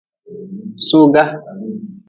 Soga.